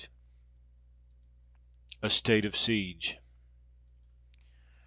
A STATE OF SIEGE.